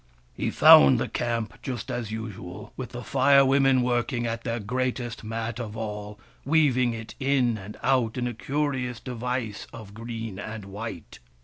He found the camp just as usual, with the Fire Women working at their greatest mat of all, weaving it in and out in a curious device of green and white.